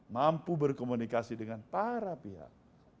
mampu berkomunikasi dengan para pihak